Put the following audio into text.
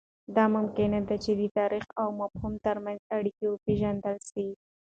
دا ممکنه ده چې د تاریخ او مفهوم ترمنځ اړیکه وپېژندل سي.